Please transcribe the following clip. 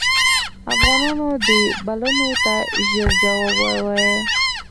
افغانانو دې بلنو ته ژر جواب ووایه.